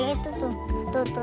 itu tuh tuh tuh